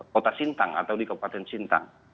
kota sintang atau di kabupaten sintang